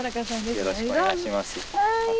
よろしくお願いします。